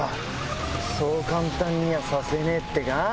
そう簡単にはさせねえってか？